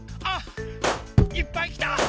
あっいっぱいきた！